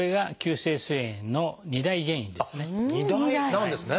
２大なんですね！